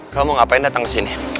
kamu ngapain datang kesini